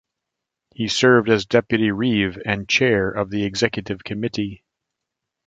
He served as deputy Reeve and chair of the executive committee.